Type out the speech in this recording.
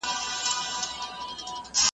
خو د ننګ خلک دي جنګ ته لمسولي `